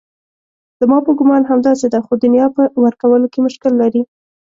زما په ګومان همداسې ده خو دنیا په ورکولو کې مشکل لري.